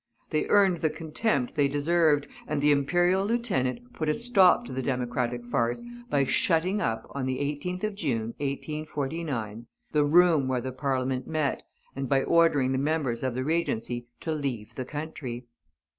They earned the contempt they deserved, and the Imperial Lieutenant put a stop to the Democratic farce by shutting up, on the 18th of June, 1849, the room where the Parliament met, and by ordering the members of the Regency to leave the country.